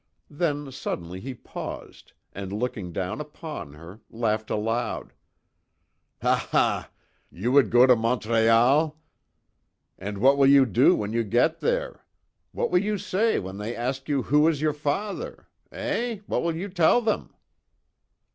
Then suddenly he paused and looking down upon her, laughed aloud. "Ha, ha! You would go to Montreal! And what will you do when you get there? What will you say when they ask you who is your father? Eh, what will you tell them?"